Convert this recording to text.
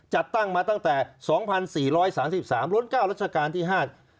จัดตั้งมาตั้งแต่สองพันสี่ร้อยสามสิบสามล้นเก้ารัชกาลที่ห้า